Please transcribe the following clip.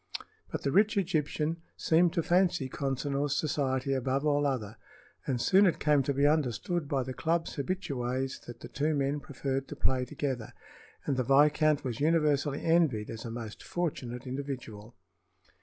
But the rich Egyptian seemed to fancy Consinor's society above all other, and soon it came to be understood by the club's habitués that the two men preferred to play together, and the viscount was universally envied as a most fortunate individual.